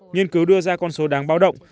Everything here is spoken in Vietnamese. nghiên cứu đưa ra con số đáng báo động